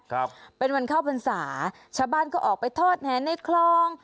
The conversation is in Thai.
ครับเป็นวันเข้าพรรษาชาวบ้านก็ออกไปทอดแห่ในคลอง